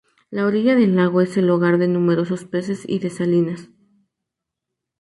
La orilla del lago es el hogar de numerosos peces y de salinas.